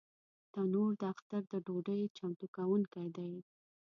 تنور د اختر د ډوډۍ چمتو کوونکی دی